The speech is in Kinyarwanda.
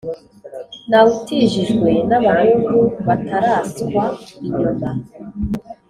Nawutijijwe n'abahungu bataraswa inyuma,